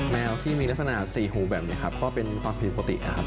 แมวที่มีลักษณะสี่หูแบบนี้ครับก็เป็นความผิดปกตินะครับ